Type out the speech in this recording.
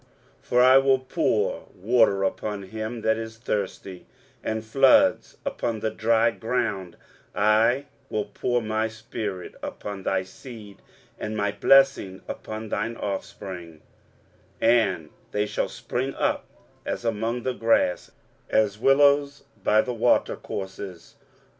23:044:003 For I will pour water upon him that is thirsty, and floods upon the dry ground: I will pour my spirit upon thy seed, and my blessing upon thine offspring: 23:044:004 And they shall spring up as among the grass, as willows by the water courses.